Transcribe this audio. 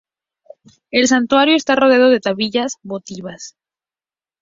El santuario está rodeado de tablillas votivas.